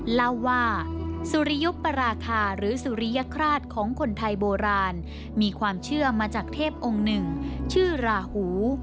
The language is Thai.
เล่าว่าสุริยุปราคาหรือสุริยคราชของคนไทยโบราณมีความเชื่อมาจากเทพองค์หนึ่งชื่อราหู